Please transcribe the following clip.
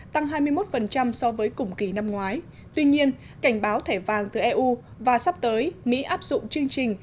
tăng hai mươi một so với cùng kỳ năm ngoái tuy nhiên cảnh báo thẻ vàng từ eu và sắp tới mỹ áp dụng chương trình